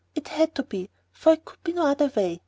"It had to be, for it could be no other way.